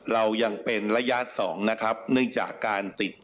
เรายังเป็นระยะสองนะครับเนื่องจากการติด